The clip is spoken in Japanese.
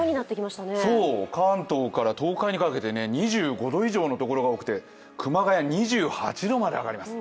関東から東海にかけて２５度以上のところが多くて熊谷、２８度まで上がります。